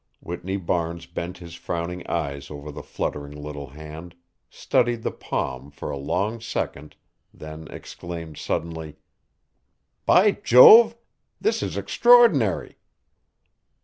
Whitney Barnes bent his frowning eyes over the fluttering little hand, studied the palm for a long second, then exclaimed suddenly: "By Jove! This is extraordinary!"